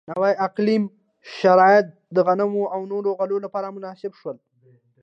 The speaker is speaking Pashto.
نوي اقلیمي شرایط د غنمو او نورو غلو لپاره مناسب شول.